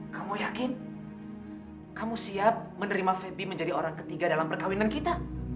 kamu yakin kamu siap menerima febi menjadi orang ketiga dalam perkawinan kita